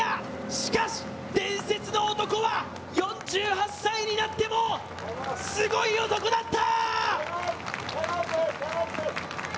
しかし、伝説の男は４８歳になってもすごい男だった！